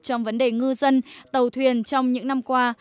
trong vấn đề ngư dân tàu thuyền trong những năm qua